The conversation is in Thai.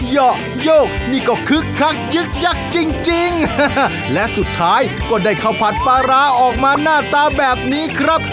เหยาะโยกนี่ก็คึกคักยึกยักษ์จริงและสุดท้ายก็ได้ข้าวผัดปลาร้าออกมาหน้าตาแบบนี้ครับ